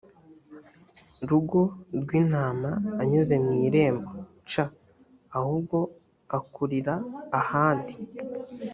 rugo rw intama anyuze mu irembo c ahubwo akuririra ahandi